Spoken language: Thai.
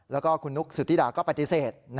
แล้วก็คุณนุ๊กสุธิดาก็ปฏิเสธ